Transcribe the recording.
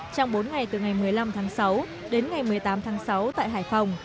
trong bốn ngày từ ngày một mươi năm tháng sáu đến ngày một mươi tám tháng sáu tại hải phòng